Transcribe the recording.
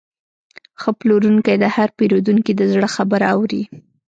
ښه پلورونکی د هر پیرودونکي د زړه خبره اوري.